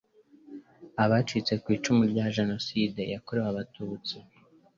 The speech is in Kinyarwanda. abcitse ku icumu rya jenoside yakorewe abatutsi